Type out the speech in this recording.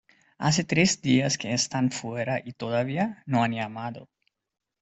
Hace tres días que están fuera y todavía no han llamado.